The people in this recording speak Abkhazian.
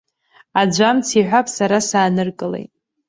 Аӡәы амц иҳәап, сара сааныркылеит.